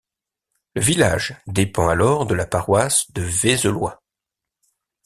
Le village dépend alors de la paroisse de Vézelois.